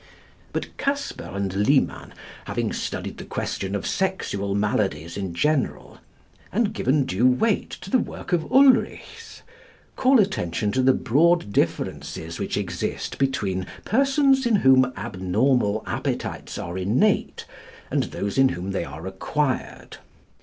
But Casper and Liman, having studied the question of sexual maladies in general, and given due weight to the works of Ulrichs, call attention to the broad differences which exist between persons in whom abnormal appetites are innate and those in whom they are acquired.